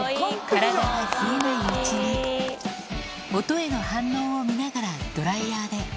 体が冷えないうちに、音への反応を見ながら、ドライヤーで。